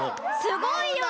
すごいよ！